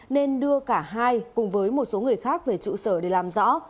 nên đưa cả hai cùng với một số người khác về trụ sở để làm rõ